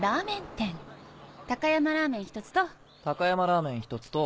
高山ラーメン１つと。